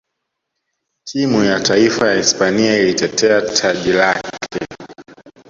timu ya taifa ya hispania ilitetea taji lake